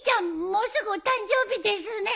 もうすぐお誕生日ですね。